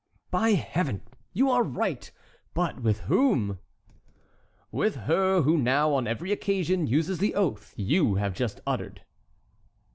"By Heaven! you are right. But with whom?" "With her who now, on every occasion, uses the oath you have just uttered."